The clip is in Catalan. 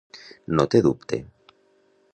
No té dubte.